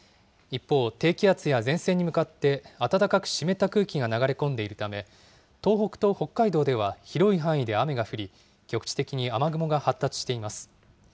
一方、低気圧や前線に向かって暖かく湿った空気が流れ込んでいるため、東北と北海道では広い範囲で雨が降り、局地的に雨雲が発達しています。